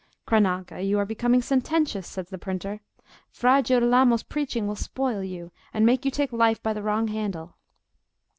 "Cronaca, you are becoming sententious," said the printer; "Fra Girolamo's preaching will spoil you, and make you take life by the wrong handle.